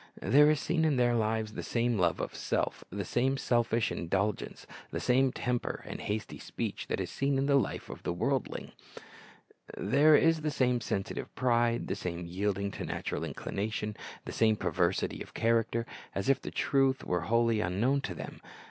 There is seen in their lives the same love of self, the same selfish indulgence, the same temper and hasty speech, that is seen in the life of the worldling. There is the same sensitive pride, the same yielding to natural inclination, the same perversity of character, as if the truth were wholly unknown to them.